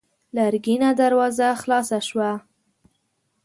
لرګينه دروازه خلاصه شوه.